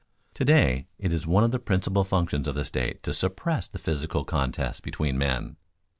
To day it is one of the principal functions of the state to suppress the physical contest between men.